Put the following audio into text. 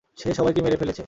সে সবাইকে মেরে ফেলেছে।